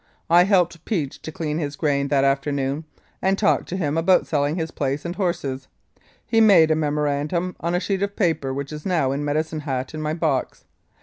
I helped Peach to clean his grain that afternoon, and talked to him about selling his place and horses. He made a memorandum on a sheet of paper which is now in Medicine Hat in my box.